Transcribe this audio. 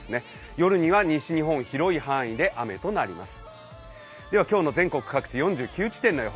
夜には西日本、広い範囲で雨となります。